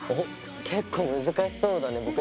結構難しそうだね。